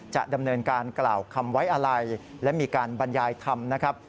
จะดำเนินการกล่าวคำไว้อะไรและมีการบรรยายธรรมนะครับ